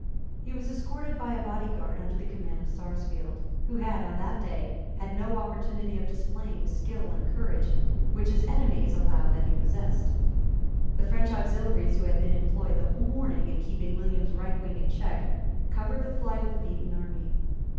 He was escorted by a bodyguard under the command of Sarsfield, who had, on that day, had no opportunity of displaying the skill and courage which his enemies allowed that he possessed, The French auxiliaries, who had been employed the whole morning in keeping William's right wing in check, covered the flight of the beaten army.